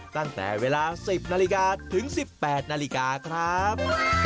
ตั้งแต่เวลา๑๐นาฬิกาถึง๑๘นาฬิกาครับ